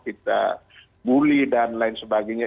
kita bully dan lain sebagainya